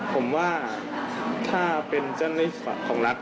ผมว่าถ้าเป็นเจ้าหน้าที่ของรัฐ